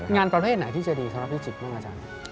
งานประเภทไหนที่จะดีเขารับพิจิตรบ้างอาจารย์